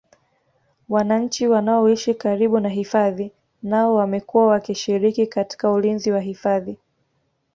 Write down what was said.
wananchi wanaoishi karibu na hifadhi nao wamekuwa wakishiriki katika ulinzi wa hifadhi